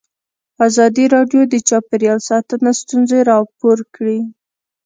ازادي راډیو د چاپیریال ساتنه ستونزې راپور کړي.